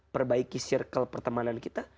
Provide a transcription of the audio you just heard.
perbaiki circle pertemanan kita